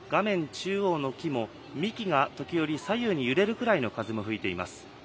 中央の木も、幹が時折、左右に揺れるくらいの風も吹いています。